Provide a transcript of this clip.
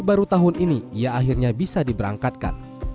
baru tahun ini ia akhirnya bisa diberangkatkan